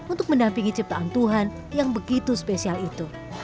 untuk mendampingi ciptaan tuhan yang begitu spesial itu